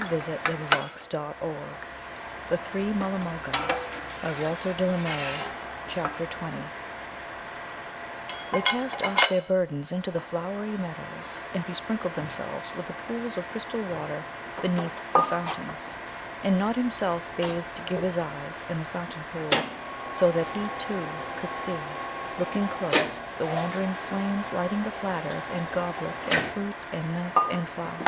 CHAPTER XX They cast off their burdens into the flowery meadows and besprinkled themselves with the pools of crystal water beneath the fountains. And Nod himself bathed Ghibba's eyes in the fountain pool, so that he, too, could see, looking close, the wandering flames lighting the platters and goblets and fruits and nuts and flowers.